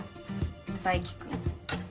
大樹君。